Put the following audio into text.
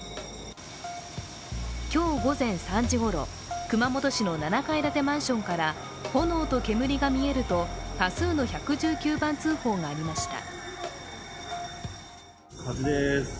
今日午前３時ごろ熊本市の７階建てマンションから炎と煙が見えると多数の１１９番通報がありました。